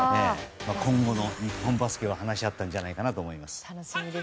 今後の日本バスケを話し合ったんじゃないかと思います。